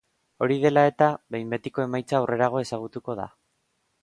Hori dela eta, behin betiko emaitza aurrerago ezagutuko da.